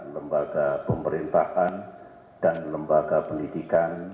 lembaga pemerintahan dan lembaga pendidikan